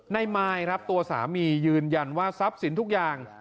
มายครับตัวสามียืนยันว่าทรัพย์สินทุกอย่าง